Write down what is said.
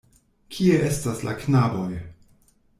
Kie estas la knaboj?